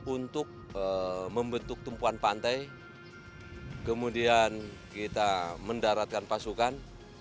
untuk membentuk tumpuan pantai kemudian kita mendaratkan pasukan